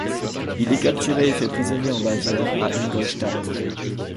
Il est capturé et fait prisonnier en Bavière à Ingolstadt.